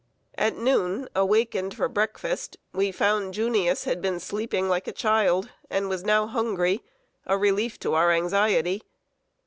At noon, awakened for breakfast, we found "Junius" had been sleeping like a child, and was now hungry a relief to our anxiety.